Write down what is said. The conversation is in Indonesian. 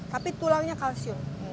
tapi tulangnya kalsium